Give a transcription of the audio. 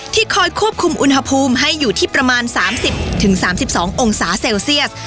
คอยควบคุมอุณหภูมิให้อยู่ที่ประมาณ๓๐๓๒องศาเซลเซียส